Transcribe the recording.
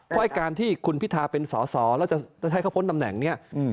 เพราะไอ้การที่คุณพิทาเป็นสอสอแล้วจะให้เขาพ้นตำแหน่งเนี่ย